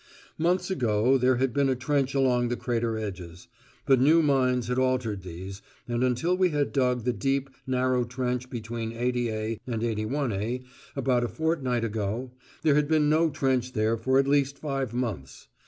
Months ago there had been a trench along the crater edges; but new mines had altered these, and until we had dug the deep, narrow trench between 80A and 81A about a fortnight ago, there had been no trench there for at least five months.